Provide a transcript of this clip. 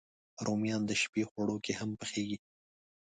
رومیان د شپی خواړو کې هم پخېږي